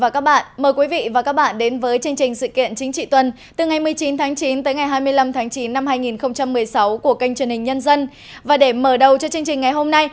các bạn hãy đăng ký kênh để ủng hộ kênh của chúng mình nhé